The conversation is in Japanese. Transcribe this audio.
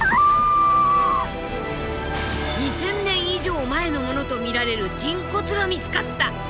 ２，０００年以上前のものとみられる人骨が見つかった。